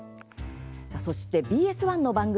そして、ＢＳ１の番組。